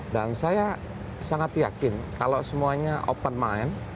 dan saya sangat yakin kalau semuanya open mind